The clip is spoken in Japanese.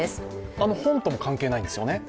あの本とも関係ないんですよね？